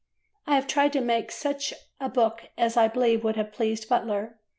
I have tried to make suck a book as I believe would have pleased Butler.